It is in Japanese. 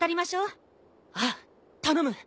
ああ頼む。